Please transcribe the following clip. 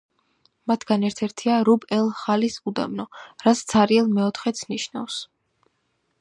მათგან ერთ-ერთია რუბ-ელ-ხალის უდაბნო, რაც „ცარიელ მეოთხედს“ ნიშნავს.